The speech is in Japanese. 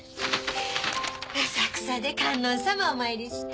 浅草で観音様お参りして。